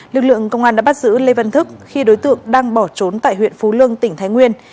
lực lượng công an đã bắt giữ lê văn thức khi đối tượng đang bỏ trốn tại huyện phú lương tỉnh thái nguyên